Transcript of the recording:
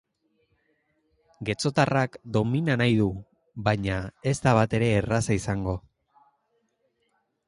Getxotarrak domina nahi du, baina ez da batere erraza izango.